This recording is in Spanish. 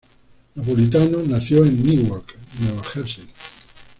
Napolitano nació en Newark, Nueva Jersey.